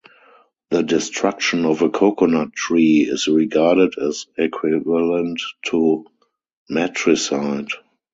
The destruction of a coconut tree is regarded as equivalent to matricide.